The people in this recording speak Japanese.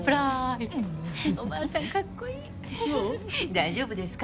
大丈夫ですか？